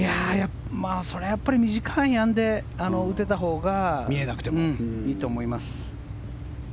それは短いアイアンで打てたほうがいいと思います。